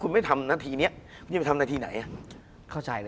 คุณผู้ชมบางท่าอาจจะไม่เข้าใจที่พิเตียร์สาร